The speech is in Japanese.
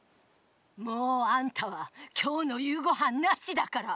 もうあんたは今日の夕ごはんなしだから！